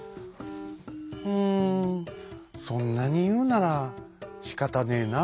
「うんそんなにいうならしかたねえな」。